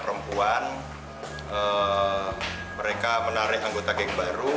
karena mereka juga perempuan mereka menarik anggota geng baru